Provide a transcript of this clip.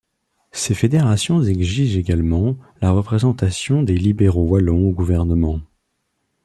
Ces fédérations exigent également la représentation des libéraux wallons au gouvernement.